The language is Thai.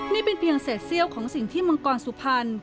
นี่เป็นเพียงเศษเซี่ยวของสิ่งที่มังกรสุพรรณ